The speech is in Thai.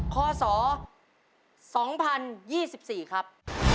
คศ๒๐๒๔ครับ